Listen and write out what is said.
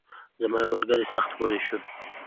زما یو ملګری سخت وږی شوی.